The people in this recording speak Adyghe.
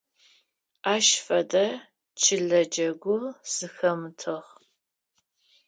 Ащ фэдэ чылэ джэгу сыхэмытыгъ.